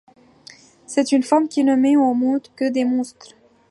C’est une femme qui ne met au monde que des monstres.